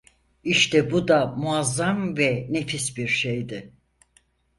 İşte bu da muazzam ve nefis bir şeydi…